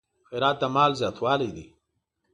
خیرات د مال زیاتوالی دی.